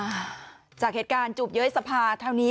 จากเหตุการณ์จูบเย้ยสภาเท่านี้